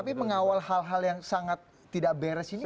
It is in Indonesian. tapi mengawal hal hal yang sangat tidak beres ini